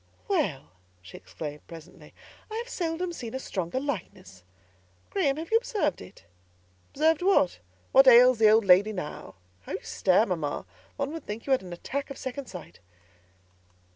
"Well," she exclaimed, presently, "I have seldom seen a stronger likeness! Graham, have you observed it?" "Observed what? What ails the Old Lady now? How you stare, mamma! One would think you had an attack of second sight."